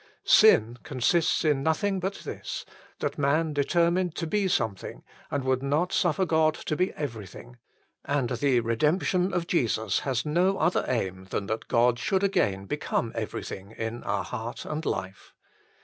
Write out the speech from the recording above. Sin consists in nothing but this, that man determined to be something and would not suffer God to be everything ; and the redemp tion of Jesus has no other aim than that God should again become everything in our heart and life.